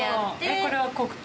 これは黒糖？